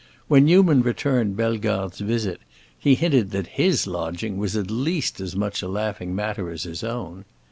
When Newman returned Bellegarde's visit, he hinted that his lodging was at least as much a laughing matter as his own.